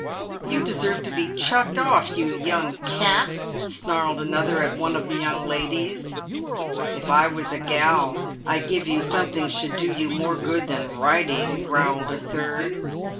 " You deserve to be chucked off, you young cat," snarled another at one of the young ladies. "If I was a gal I'd give you something should do you more good than riding," growled a third.